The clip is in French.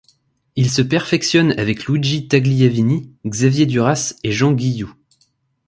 Il se perfectionne avec Luigi Tagliavini, Xavier Darasse et Jean Guillou.